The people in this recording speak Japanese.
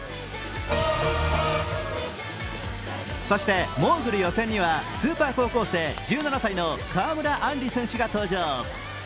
そしてモーグル予選にはスーパー高校生、１７歳の川村あんり選手が登場。